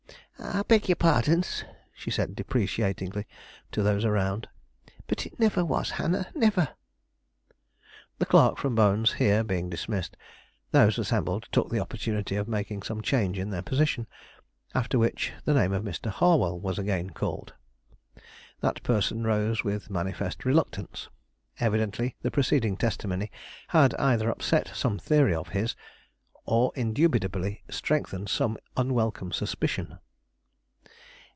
"I beg your pardons," she cried deprecatingly to those around; "but it niver was Hannah, niver!" The clerk from Bohn's here being dismissed, those assembled took the opportunity of making some change in their position, after which, the name of Mr. Harwell was again called. That person rose with manifest reluctance. Evidently the preceding testimony had either upset some theory of his, or indubitably strengthened some unwelcome suspicion.